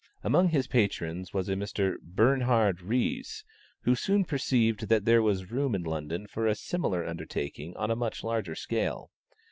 Amongst his patrons was a Mr. Bernhard Ries, who soon perceived that there was room in London for a similar undertaking on a much larger scale.